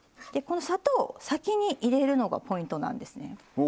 この砂糖を先に入れるのがポイントなんですね。